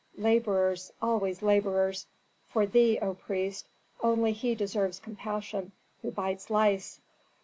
"Laborers, always laborers! For thee, O priest, only he deserves compassion who bites lice.